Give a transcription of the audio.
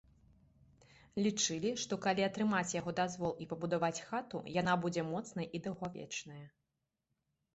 Лічылі, што, калі атрымаць яго дазвол і пабудаваць хату, яна будзе моцнай і даўгавечная.